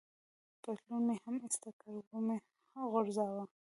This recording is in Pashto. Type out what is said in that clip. پتلون مې هم ایسته کړ، و مې ځړاوه.